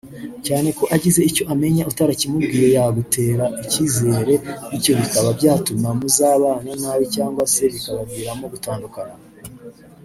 cyane ko agize icyo amenya utarakimubwiye yagutera ikizere bityo bikaba byatuma muzabana nabi cyangwa se bikabaviramo gutandukana